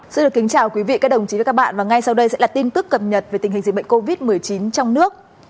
xin được kính chào quý vị các đồng chí và các bạn và ngay sau đây sẽ là tin tức cập nhật về tình hình dịch bệnh covid một mươi chín trong nước